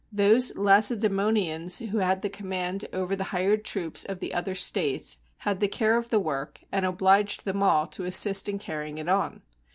Those Lace daemonians who had the command over the hired troops of the other states had the care of the work, and obliged them all to assist in carrying it on.